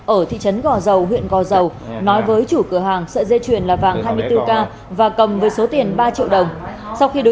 ở thị trấn gò dầu huyện gò dầu nói với chủ cửa hàng sợi dây chuyền là vàng hai mươi bốn k